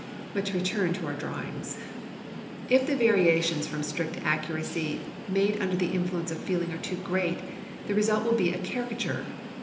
But to return to our drawings. If the variations from strict accuracy made under the influence of feeling are too great, the result will be a caricature.